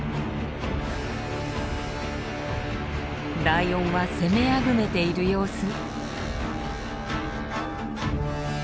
ライオンは攻めあぐねている様子。